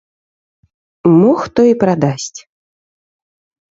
Мо хто і прадасць.